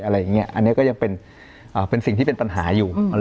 อะไรอย่างนี้อันนี้ก็ยังเป็นสิ่งที่เป็นปัญหาอยู่